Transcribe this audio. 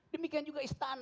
demikian juga istana